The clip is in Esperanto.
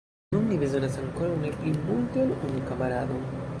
Nun ni bezonas ankoraŭ ne pli multe ol unu kamaradon!